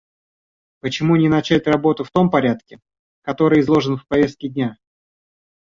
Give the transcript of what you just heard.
Почему не начать работу в том порядке, который изложен в повестке дня?